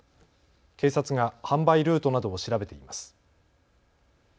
警察が販売ルートなどを調べています。